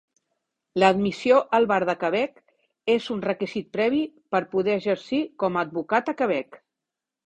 L"admissió al Bar de Quebec és un requisit previ per poder exercir com advocat a Quebec.